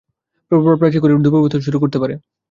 প্রবাল প্রাচীরগুলি দ্রবীভূত হতে শুরু করতে পারে।